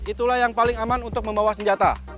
itulah yang paling aman untuk membawa senjata